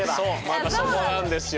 またそこなんですよ。